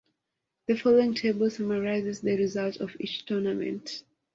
The following table summarizes the results of each tournament.